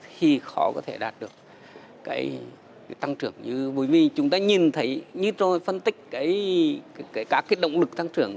thì khó có thể đạt được cái tăng trưởng như bởi vì chúng ta nhìn thấy như tôi phân tích cái các cái động lực tăng trưởng